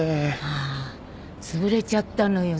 ああつぶれちゃったのよ